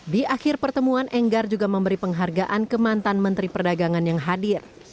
di akhir pertemuan enggar juga memberi penghargaan ke mantan menteri perdagangan yang hadir